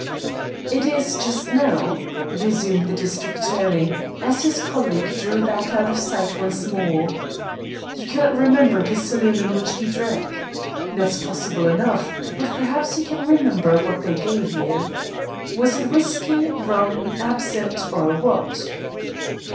"It is, just now," resumed the district attorney, as his colleague drew back out of sight once more. "You cannot remember the saloon in which you drank. That's possible enough; but perhaps you can remember what they gave you. Was it whiskey, rum, absinthe, or what?"